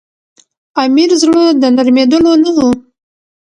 امیر زړه د نرمېدلو نه وو.